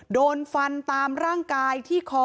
โดนฟันตามร่างกายที่คอ